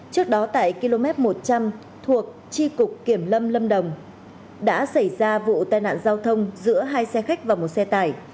trước đó tại km một trăm linh thuộc tri cục kiểm lâm lâm đồng đã xảy ra vụ tai nạn giao thông giữa hai xe khách và một xe tải